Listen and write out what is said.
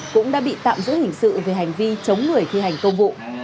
cũng đã bị tạm giữ hình sự về hành vi chống người thi hành công vụ